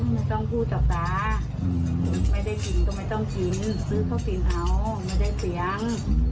ไม่ต้องพูดกับตาไม่ได้กินก็ไม่ต้องกินซื้อข้าวกินเอาไม่ได้เสียง